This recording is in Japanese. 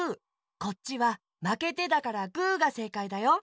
こっちは「まけて」だからグーがせいかいだよ。